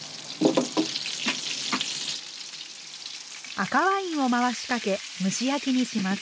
赤ワインを回しかけ蒸し焼きにします。